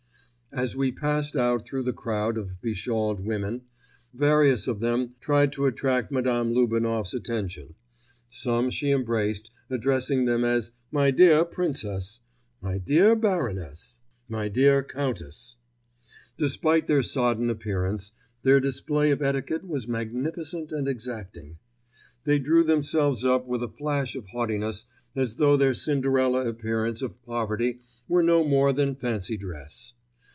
As we passed out through the crowd of be shawled women, various of them tried to attract Madame Lubinoff's attention. Some she embraced, addressing them as "My dear Princess," "My dear Baroness," "My dear Countess." Despite their sodden appearance, their display of etiquette was magnificent and exacting. They drew themselves up with a flash of haughtiness as though their Cinderella appearance of poverty were no more than fancy dress.